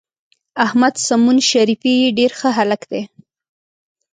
احمد سمون شریفي ډېر ښه هلک دی.